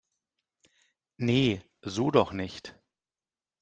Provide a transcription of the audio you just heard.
Nee, so doch nicht!